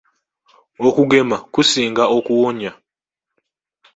Okugema kusinga okuwonya.